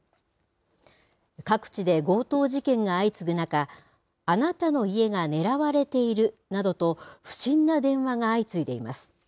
各地で強盗事件が相次ぐ中、あなたの家が狙われているなどと、不審な電話が相次いでいます。